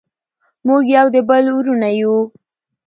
موږ یو د بل وروڼه یو.